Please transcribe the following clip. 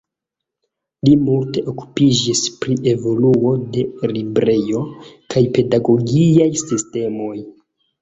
Li multe okupiĝis pri evoluo de librejo kaj pedagogiaj sistemoj.